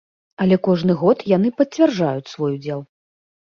Але кожны год яны пацвярджаюць свой удзел.